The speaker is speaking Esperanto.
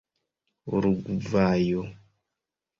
urugvajo